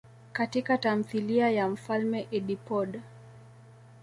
Katika tamthilia ya Mfalme Edipode.